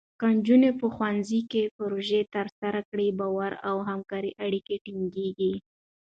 که نجونې په ښوونځي کې پروژې ترسره کړي، باور او همکارۍ اړیکې ټینګېږي.